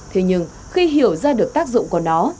thế nhưng khi hiểu ra được tác dụng của nó